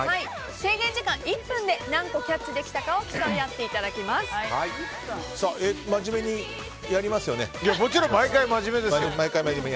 制限時間１分で何個キャッチできたかを真面目にもちろん、毎回真面目です。